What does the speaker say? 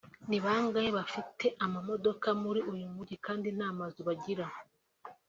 “Ni bangahe bafite amamodoka muri uyu Mujyi kandi nta mazu bagira